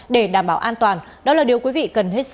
để đảm bảo an toàn đó là điều quý vị cần hết sức lưu ý